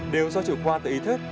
đều do chủ quan từ ý thức